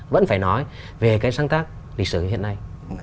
vẫn phải nói về cái sáng tác lịch sử hiện nay